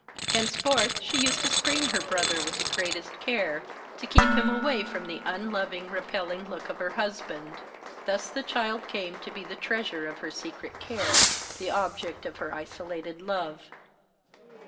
Henceforth she used to screen her brother with the greatest care to keep him away from the unloving, repelling look of her husband. Thus the child came to be the treasure of her secret care, the object of her isolated love.